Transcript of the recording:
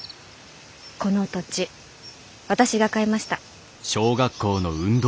この土地私が買いました。